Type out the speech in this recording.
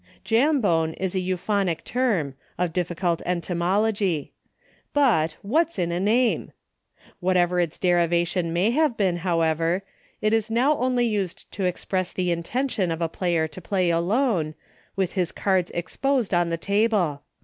Jambone is a euphonic term, of difficult etymology. But — "What's in a name?" Whatever its derivation may have been, how ever, it is now only used to express the inten tion of a player to Play Alone, with his cards exposed on the table.